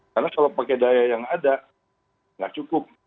karena kalau pakai daya yang ada nggak cukup